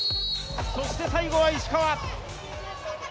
そして最後は石川！